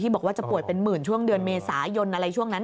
บอกว่าจะป่วยเป็นหมื่นช่วงเดือนเมษายนอะไรช่วงนั้น